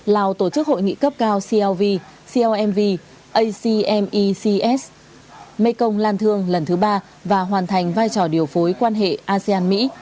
lào tổ chức hội nghị cấp cao clv clmv acmecs mê công lan thương lần thứ ba và hoàn thành vai trò điều phối quan hệ asean mỹ